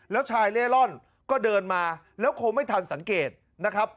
แล้วชายเล่ร่อนก็เดินมาแล้วคงไม่ทันสังเกตนะครับ